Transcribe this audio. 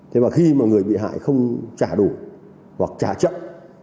thế mà khi mà người bị hại không trả đủ hoặc trả chậm